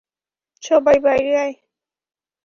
সবাই বাইরে আয়।